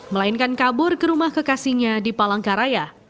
melainkan kabur ke rumah kekasihnya di palangkaraya